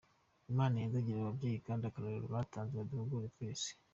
Imana ihezagire abo bavyeyi kandi akarorero batanze kaduhugure twese.